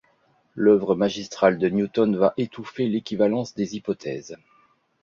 L'œuvre magistrale de Newton va étouffer l'équivalence des hypothèses.